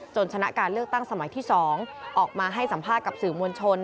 ชนะการเลือกตั้งสมัยที่๒ออกมาให้สัมภาษณ์กับสื่อมวลชน